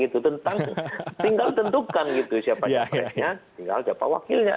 tentang tinggal tentukan gitu siapa capresnya tinggal siapa wakilnya